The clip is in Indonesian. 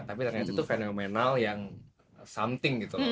tapi ternyata itu fenomenal yang something gitu